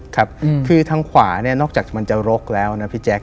ครับคือทางขวาเนี่ยนอกจากมันจะรกแล้วนะพี่แจ๊